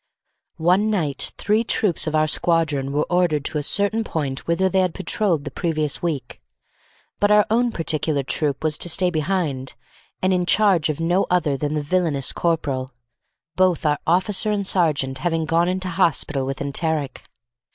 One night three troops of our squadron were ordered to a certain point whither they had patrolled the previous week; but our own particular troop was to stay behind, and in charge of no other than the villanous corporal, both our officer and sergeant having gone into hospital with enteric.